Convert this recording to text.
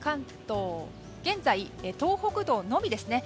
現在は東北道のみですね。